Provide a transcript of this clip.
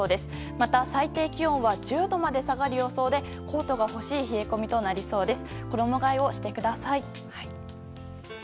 また、最低気温は１０度まで下がる予想でコートが欲しい冷え込みとなりそうです。